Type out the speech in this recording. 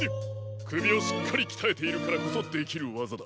くびをしっかりきたえているからこそできるわざだ。